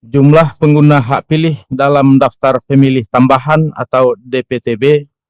jumlah pengguna hak pilih dalam daftar pemilih tambahan atau dptb